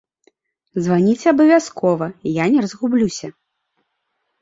Званіце абавязкова, я не разгублюся.